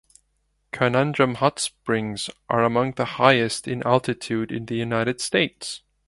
Conundrum hot springs are the among the highest in altitude in the United States.